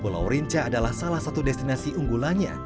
pulau rinca adalah salah satu destinasi unggulannya